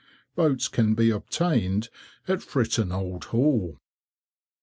Boats can be obtained at "Fritton Old Hall."